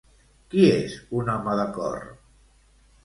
Qui és un home de cor?